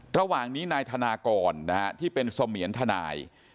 ระหว่างนี้นายธนากรที่เป็นเสมียนทนาย